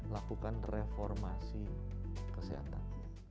lakukan reformasi kesehatan